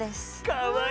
かわいい！